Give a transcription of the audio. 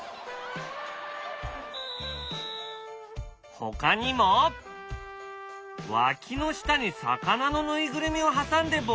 ほかにもわきの下に魚の縫いぐるみを挟んでボールを投げるスポーツも！